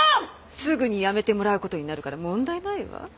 すぐに辞めてもらうことになるから問題ないわ。